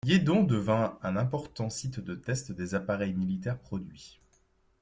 Yeadon devint un important site de test des appareils militaires produits.